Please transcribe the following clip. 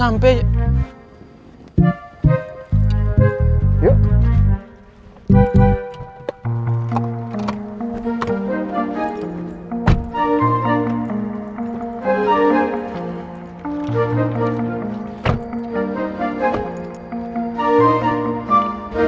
aku mau pergi ke rumah